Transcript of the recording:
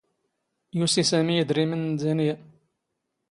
ⵢⵓⵙⵉ ⵙⴰⵎⵉ ⵉⴷⵔⵉⵎⵏ ⵏ ⴷⴰⵏⵢⴰ.